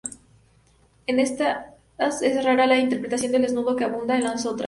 En estas es rara la interpretación del desnudo, que abunda en las otras.